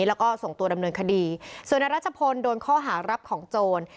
แล้วก็ส่งตัวดำเนินคดีส่วนนายรัชพลโดนข้อหารับของโจร